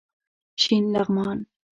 شین لغمان